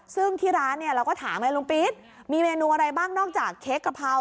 ซึ่งที่ร้านเนี่ยเราก็ถามไงลุงปี๊ดมีเมนูอะไรบ้างนอกจากเค้กกะเพรา